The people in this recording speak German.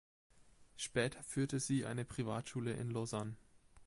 Später führte sie eine Privatschule in Lausanne.